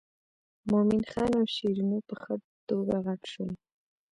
مومن خان او شیرینو په ښه توګه غټ شول.